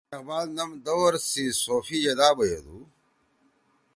علامہ قبال نم دور سی صوفی)بُزرگ( یِدا بیَدُو